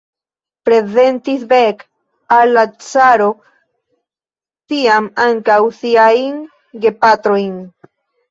Prezentis Beck al la caro tiam ankaŭ siajn gepatrojn.